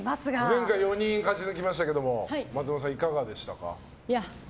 前回４人勝ち抜きましたけども松本さん、いかがでしたか。